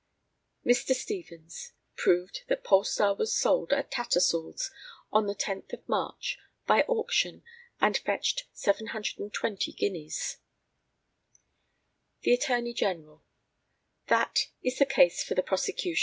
Mr. STEVENS proved that Polestar was sold at Tattersall's on the 10th of March, by auction, and fetched 720 guineas. The ATTORNEY GENERAL: That is the case for the prosecution.